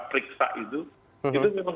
periksa itu itu memang